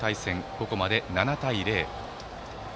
ここまで７対０。